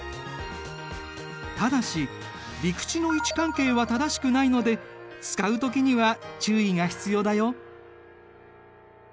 ただし陸地の位置関係は正しくないので使う時には注意が必要だよ。